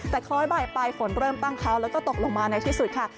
แต่คล้อยบ่ายไปฝนเริ่มตั้งเขาแล้วก็ตกลงมาในที่สุดค่ะ